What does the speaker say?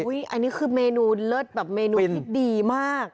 อันนี้คือเมนูเลิศแบบเมนูที่ดีมาก